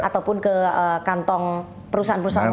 ataupun ke kantong perusahaan perusahaan lain